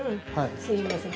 すみません。